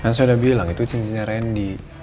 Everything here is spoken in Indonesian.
kan saya udah bilang itu cincinnya rendy